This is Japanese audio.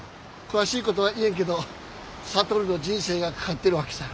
詳しいことは言えんけど智の人生がかかってるわけさ。